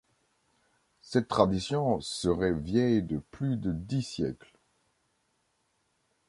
Cette tradition serait vieille de plus de dix siècles.